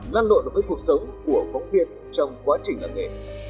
năn lộn với cuộc sống của bóng viên trong quá trình làm nghề